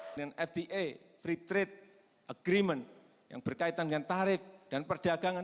kemudian fta free trade agreement yang berkaitan dengan tarif dan perdagangan